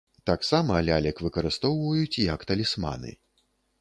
Таксама лялек выкарыстоўваюць як талісманы.